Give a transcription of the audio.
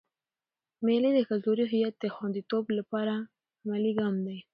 مېلې د کلتوري هویت د خونديتوب له پاره عملي ګام دئ.